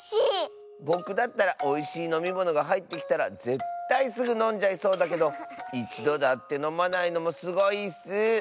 ぼくだったらおいしいのみものがはいってきたらぜったいすぐのんじゃいそうだけどいちどだってのまないのもすごいッス。